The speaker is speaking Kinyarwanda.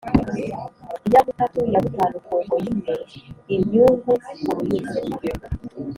Inyabutatu ya butanu ku ngoyi imwe.-Imyungu ku ruyuzi.